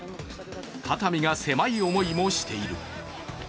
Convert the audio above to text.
肩身が狭い思いもしている。